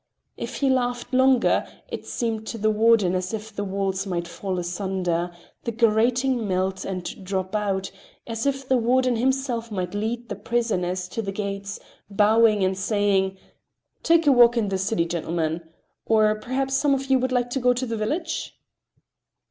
If he laughed longer, it seemed to the warden as if the walls might fall asunder, the grating melt and drop out, as if the warden himself might lead the prisoners to the gates, bowing and saying: "Take a walk in the city, gentlemen; or perhaps some of you would like to go to the village?"